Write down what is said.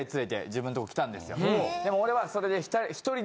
でも俺はそれで。